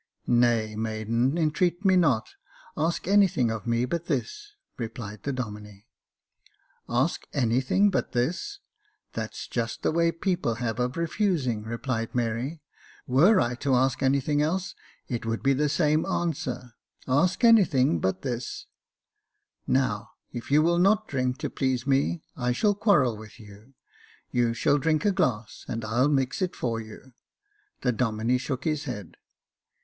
"Nay, maiden, entreat me not. Ask anything of me but this," replied the Domine. " Ask anything but this — that's just the way people have of refusing," replied Mary j " were I to ask anything else, it would be the same answer — *ask anything but 230 Jacob Faithful this.' Now, if you will not drink to please me, I shall quarrel with you. You shall drink a glass, and I'll mix it for you. The Domine shook his head.